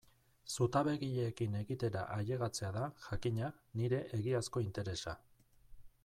Zutabegileekin egitera ailegatzea da, jakina, nire egiazko interesa.